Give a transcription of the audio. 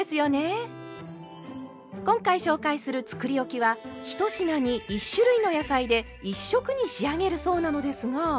今回紹介するつくりおきは１品に１種類の野菜で１色に仕上げるそうなのですが。